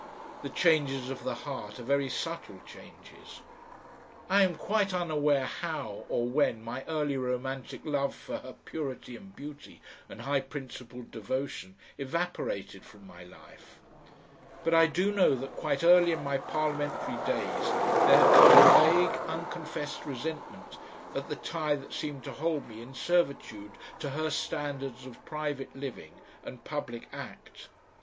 The changes of the heart are very subtle changes. I am quite unaware how or when my early romantic love for her purity and beauty and high principled devotion evaporated from my life; but I do know that quite early in my parliamentary days there had come a vague, unconfessed resentment at the tie that seemed to hold me in servitude to her standards of private living and public act.